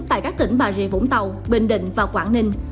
tại các tỉnh bà rịa vũng tàu bình định và quảng ninh